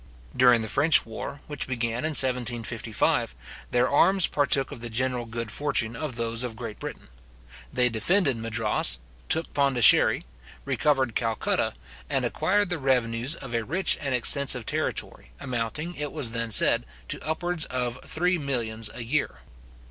During the French war, which began in 1755, their arms partook of the general good fortune of those of Great Britain. They defended Madras, took Pondicherry, recovered Calcutta, and acquired the revenues of a rich and extensive territory, amounting, it was then said, to upwards of three millions a year.